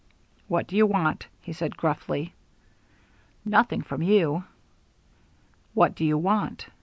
"What do you want?" he said gruffly. "Nothing from you." "What do you want?"